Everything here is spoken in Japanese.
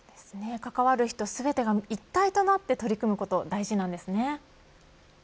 関わる人全てが一体となって取り組むことがそうなんですね。